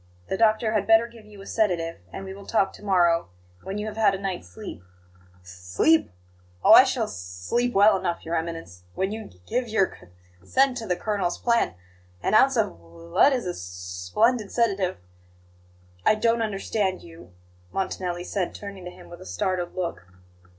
The doctor had better give you a sedative, and we will talk to morrow, when you have had a night's sleep." "S sleep? Oh, I shall s sleep well enough, Your Eminence, when you g give your c consent to the colonel's plan an ounce of l lead is a s splendid sedative." "I don't understand you," Montanelli said, turning to him with a startled look.